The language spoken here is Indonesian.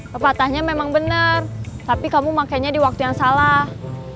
pepatahnya memang benar tapi kamu makanya di waktu yang salah